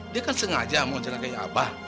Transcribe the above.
dia kan sengaja mau jalan kayak abah